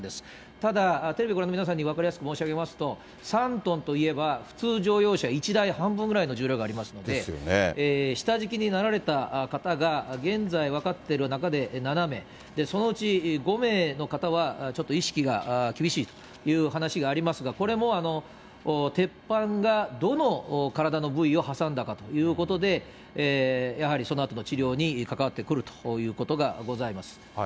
ただ、テレビご覧の皆さんに分かりやすく申し上げますと、３トンといえば普通乗用車１台半分ぐらいの重量がありますので、下敷きになられた方が現在、分かってる中で７名、そのうち５名の方は、ちょっと意識が厳しいという話がありますが、これも鉄板がどの体の部位を挟んだかということで、やはりそのあとの治療に関わってくるということがございます。